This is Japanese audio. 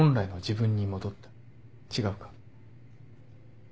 違うか？